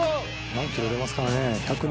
何キロ出ますかね？